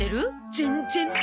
全然。